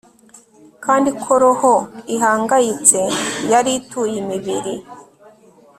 Kandi ko roho ihangayitse yari ituye imibiri